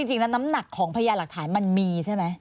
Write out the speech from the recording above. จริงแล้วน้ำหนักของพญาหลักฐานมันมีใช่ไหม